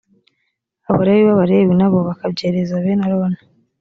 abalewi b abalewi na bo bakabyereza bene aroni